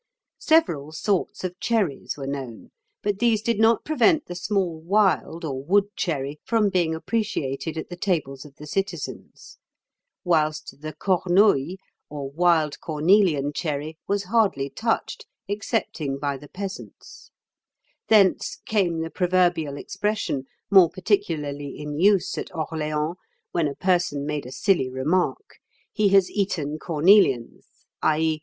Several sorts of cherries were known, but these did not prevent the small wild or wood cherry from being appreciated at the tables of the citizens; whilst the cornouille, or wild cornelian cherry, was hardly touched, excepting by the peasants; thence came the proverbial expression, more particularly in use at Orleans, when a person made a silly remark, "He has eaten cornelians," _i.